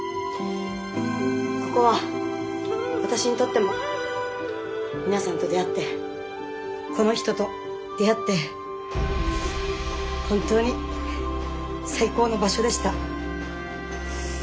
ここは私にとっても皆さんと出会ってこの人と出会って本当に最高の場所でした。